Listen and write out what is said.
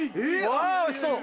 わぁおいしそう！